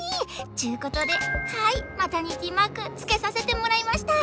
っちゅうことではいマタニティマークつけさせてもらいました！